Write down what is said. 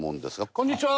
こんにちは。